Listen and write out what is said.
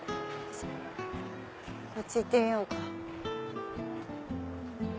こっち行ってみようか。